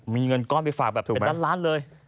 มีเงินก้อนไปฝากแบบเป็นล้านล้านเลย